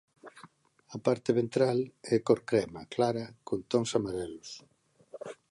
A parte ventral é cor crema clara con tons amarelos.